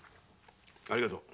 ありがとう。